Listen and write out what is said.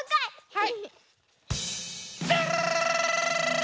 はい！